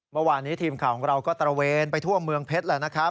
เมื่อวานนี้ทีมข่าวของเราก็ตระเวนไปทั่วเมืองเพชรแล้วนะครับ